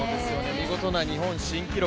見事な日本新記録。